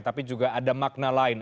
tapi juga ada makna lain